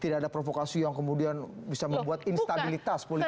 tidak ada provokasi yang kemudian bisa membuat instabilitas politik